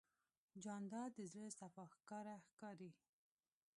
جانداد د زړه صفا ښکاره ښکاري.